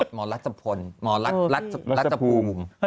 หมอรัชพลหมอรัฐภูมิ